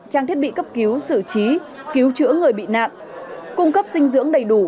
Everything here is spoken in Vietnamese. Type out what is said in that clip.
trang thiết bị cấp cứu sử trí cứu chữa người bị nạn cung cấp dinh dưỡng đầy đủ